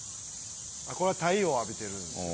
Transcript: これは太陽浴びてるんですよ。